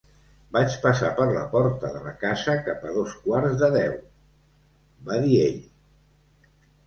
"Vaig passar per la porta de la casa cap a dos quarts de deu", va dir ell.